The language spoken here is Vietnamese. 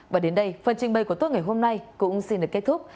thưa quý vị phần trình bày của tốt ngày hôm nay cũng xin được kết thúc